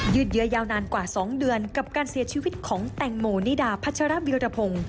ืดเยอะยาวนานกว่า๒เดือนกับการเสียชีวิตของแตงโมนิดาพัชรวิรพงศ์